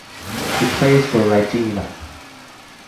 He plays for Reggina.